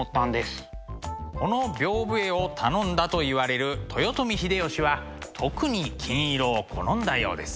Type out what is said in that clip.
この屏風絵を頼んだといわれる豊臣秀吉は特に金色を好んだようです。